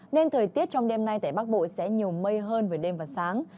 nên thời tiết trong đêm nay tại bắc bộ sẽ nhiều mây hơn về đêm và sáng